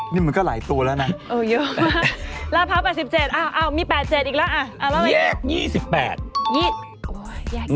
นี่มันก็หลายตัวแล้วนะโอ้ยเยอะมากราดพร้าว๘๗อ้าวมี๘๗อีกแล้วอ่ะเอาแล้วไหน